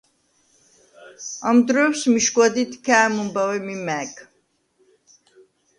ამ დრუ̂ეუ̂ს მიშგუ̂ა დიდ ქა̄̈მჷმბაუ̂ე მი მა̄̈გ: